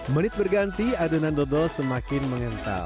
menit berganti adonan dodol semakin mengental